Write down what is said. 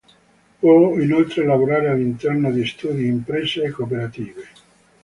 Può inoltre lavorare all'interno di studi, imprese e cooperative.